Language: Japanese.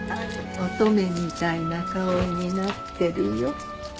乙女みたいな顔になってるよ。